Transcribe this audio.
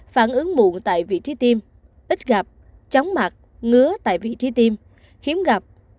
phản ứng muộn tại vị trí tiêm ít gặp chóng mặt ngứa tại vị trí tiêm hiếm gặp